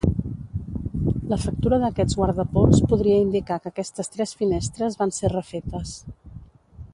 La factura d'aquests guardapols podria indicar que aquestes tres finestres van ser refetes.